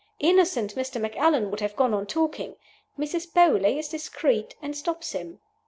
Innocent Mr. Macallan would have gone on talking. Mrs. Beauly is discreet and stops him.